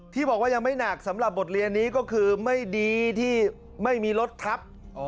ที่บอกว่ายังไม่หนักสำหรับบทเรียนนี้ก็คือไม่ดีที่ไม่มีรถทับ